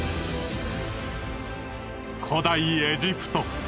古代エジプト。